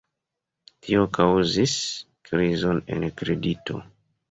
Tio kaŭzis krizon en kredito.